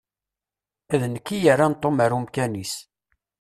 D nekk i yerran Tom ar umkan-is.